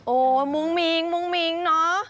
โอ้โหมุ้งมิ้งมุ้งมิ้งเนอะ